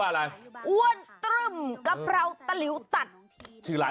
โอ้โห